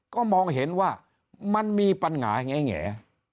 ก็มองเห็นว่ามันมีปัญหาแง่